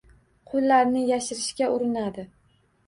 Qo‘llarini yashirishga urinadi.